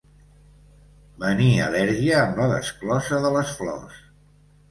Venir al·lèrgia amb la desclosa de les flors.